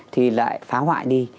thì lại phá hoại đi